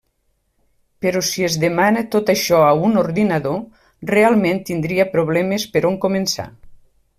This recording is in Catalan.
Però si es demana tot això a un ordinador, realment tindria problemes per on començar.